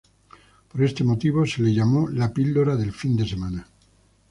Por este motivo se lo llamó "la píldora del fin de semana".